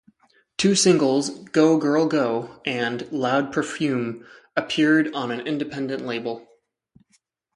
Two singles, "Go, Girl, Go" and "Loud Perfume" appeared on an independent label.